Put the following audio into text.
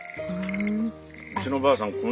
うちのばあさん